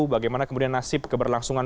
bagaimana kemudian nasib keberlangsungan